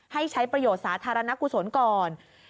ให้ใช้ประโยชน์สาธารณกุศลก่อน